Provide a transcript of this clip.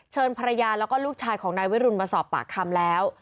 ภรรยาแล้วก็ลูกชายของนายวิรุณมาสอบปากคำแล้ว